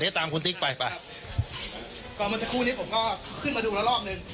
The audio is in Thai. ตามคุณติ๊กไปไปก็เมื่อสักครู่นี้ผมก็ขึ้นมาดูแล้วรอบหนึ่ง